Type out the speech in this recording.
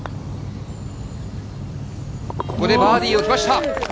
ここでバーディーがきました。